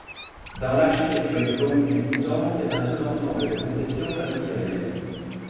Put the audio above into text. Dans l' architecture dzong du Bhoutan c'est un sous-ensemble de conception traditionnelle.